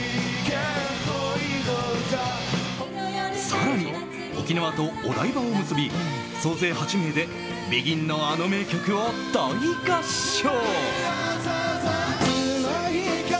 更に沖縄とお台場を結び総勢８名でＢＥＧＩＮのあの名曲を大合唱。